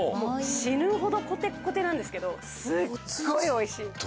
死ぬほどコテッコテなんですけどすっごいおいしい。